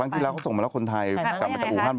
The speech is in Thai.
ครั้งที่แล้วเขาส่งมาแล้วคนไทยกลับไปตะอุฮัน